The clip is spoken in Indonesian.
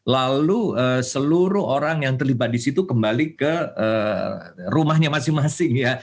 lalu seluruh orang yang terlibat di situ kembali ke rumahnya masing masing ya